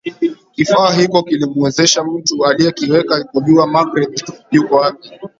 Kifaa hiko kilimuwezesha mtu aliyekiweka kujua Magreth yuko wapi